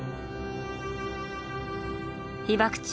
被爆地